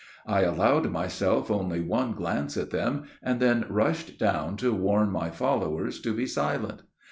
I allowed myself only one glance at them, and then rushed down to warn my followers to be silent.